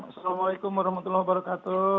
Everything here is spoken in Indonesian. assalamualaikum warahmatullahi wabarakatuh